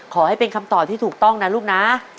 ขอให้เป็นคำตอบที่ถูกต้องนะลูกนะ